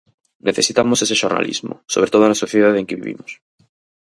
Necesitamos ese xornalismo, sobre todo na sociedade en que vivimos.